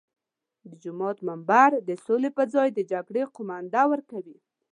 د جومات منبر د سولې پر ځای د جګړې قومانده ورکوي.